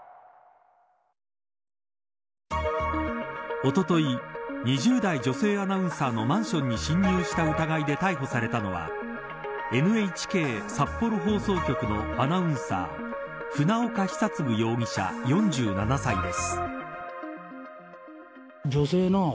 おととい、２０代女性アナウンサーのマンションに侵入した疑いで逮捕されたのはＮＨＫ札幌放送局のアナウンサー船岡久嗣容疑者、４７歳です。